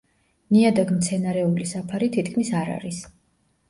ნიადაგ-მცენარეული საფარი თითქმის არ არის.